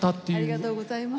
ありがとうございます。